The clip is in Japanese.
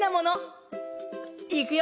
いくよ！